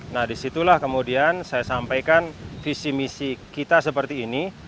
nah disitulah kemudian saya sampaikan visi misi kita seperti ini